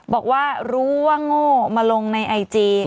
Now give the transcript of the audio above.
บอกว่ารู้ว่าโง่มาลงในไอจี